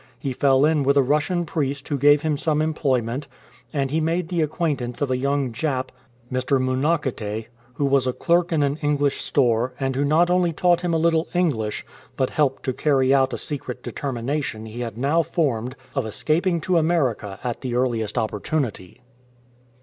He fell in with a Russian priest who gave him some employment, and he made the acquaintance of a young Jap, Mr. Munokite, who was a clerk in an English store, and who not only taught him a little English, but helped to carry out a secret determination he had now formed of escaping to America at the earliest opportunity.